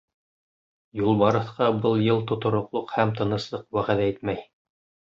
Юлбарыҫҡа был йыл тотороҡлоҡ һәм тыныслыҡ вәғәҙә итмәй.